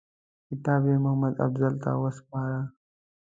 کتاب یې محمدافضل ته وسپاره.